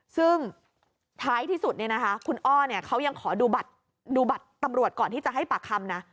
ซึ่งท้ายที่สุดคุณอ้อเขายังขอดูบัตรตำรวจก่อนที่จะให้ปากคำนะ